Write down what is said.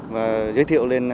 và giới thiệu lên